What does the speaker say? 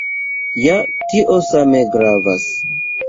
Ja tio same gravas.